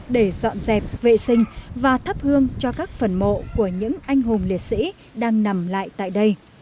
để dọn dẹp vệ sinh và thắp hương cho các phần mộ của những anh hùng liệt sĩ đang nằm lại tại đây